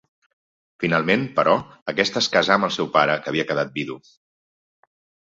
Finalment, però, aquesta es casà amb el seu pare que havia quedat vidu.